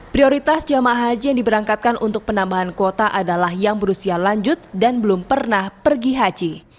prioritas jamaah haji yang diberangkatkan untuk penambahan kuota adalah yang berusia lanjut dan belum pernah pergi haji